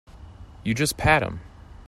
You just pat him.